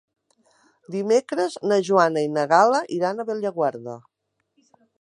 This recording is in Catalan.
Dimecres na Joana i na Gal·la iran a Bellaguarda.